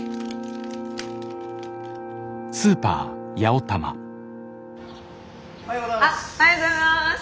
おはようございます。